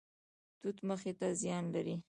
توت مخي څه زیان لري؟